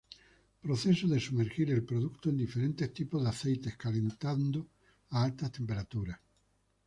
Proceso de sumergir el producto en diferentes tipo de aceites calentado a altas temperaturas.